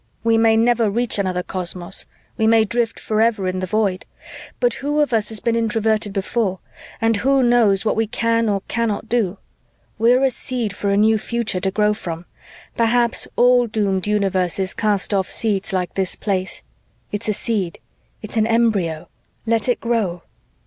We may never reach another cosmos, we may drift forever in the Void, but who of us has been Introverted before and who knows what we can or cannot do? We're a seed for a new future to grow from. Perhaps all doomed universes cast off seeds like this Place. It's a seed, it's an embryo, let it grow."